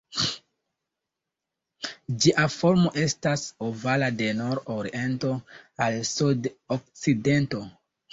Ĝia formo estas ovala, de nord-oriento al sud-okcidento.